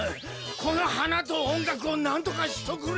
このはなとおんがくをなんとかしとくれ！